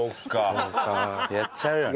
そうかやっちゃうよね。